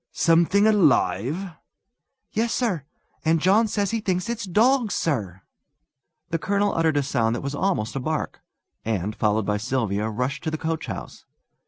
"Something alive?" "Yes, sir. And John says he thinks it's dogs, sir!" The colonel uttered a sound that was almost a bark, and, followed by Sylvia, rushed to the coachhouse.